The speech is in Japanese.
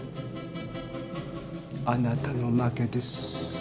あなたの負けです。